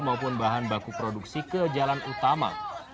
maupun bahan baku produksi ke jalan utama